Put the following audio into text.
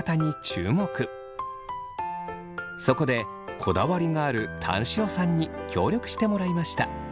そこでこだわりがあるタン塩さんに協力してもらいました。